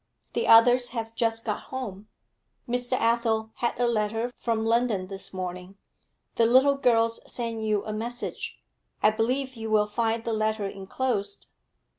The others have just got home; Mr. Athel had a letter from London this morning. The little girls send you a message; I believe you will find the letter enclosed.'